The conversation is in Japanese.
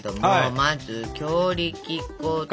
まず強力粉と。